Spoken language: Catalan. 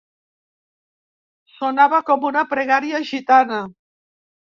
Sonava com una pregària gitana.